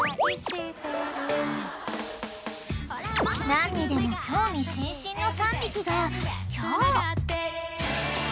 ［何にでも興味津々の３匹が今日］